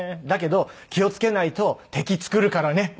「だけど気を付けないと敵作るからね」